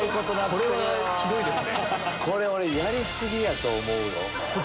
これ俺やり過ぎやと思う。